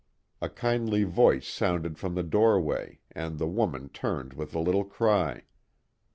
A kindly voice sounded from the doorway, and the woman turned with a little cry.